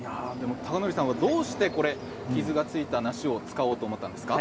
峰昇さんはどうして傷のついた梨を使おうと思ったんですか？